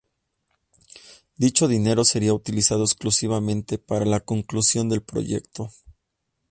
Dicho dinero seria utilizado exclusivamente para la conclusión del proyecto.